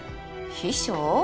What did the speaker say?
秘書？